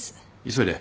急いで。